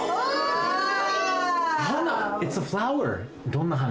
どんな花？